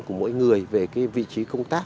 của mỗi người về cái vị trí công tác